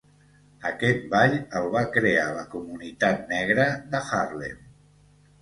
Aquest ball el va crear la comunitat negra de Harlem.